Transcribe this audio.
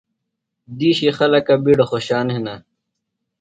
دِیشی خلکہ بِیڈہ خوشان ہِنہ۔